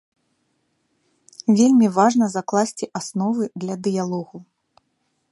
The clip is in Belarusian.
Вельмі важна закласці асновы для дыялогу.